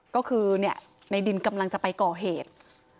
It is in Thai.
ก็คือในดินกำลังจะไปก่อเหตุ